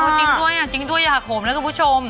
โอ้จริงด้วยจริงด้วยอย่าหาโขมนะคุณผู้ชม